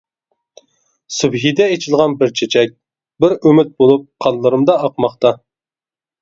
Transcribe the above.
سۈبھىدە ئېچىلغان بىر چېچەك، بىر ئۈمىد بولۇپ قانلىرىمدا ئاقماقتا.